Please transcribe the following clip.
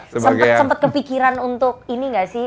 sempat kepikiran untuk ini nggak sih